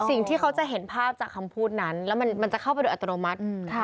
สิ่งที่เขาจะเห็นภาพจากคำพูดนั้นแล้วมันจะเข้าไปโดยอัตโนมัติ